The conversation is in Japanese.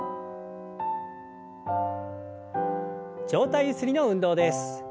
上体ゆすりの運動です。